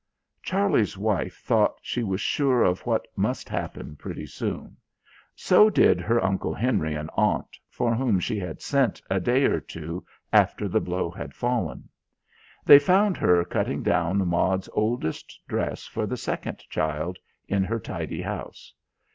Charlie's wife thought she was sure of what must happen pretty soon. So did her Uncle Henry and Aunt, for whom she had sent a day or two after the blow had fallen. They found her cutting down Maud's oldest dress for the second child in her tidy house.